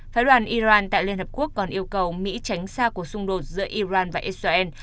phái đoàn iran tại liên hợp quốc còn yêu cầu mỹ tránh xa cuộc xung đột giữa iran và israel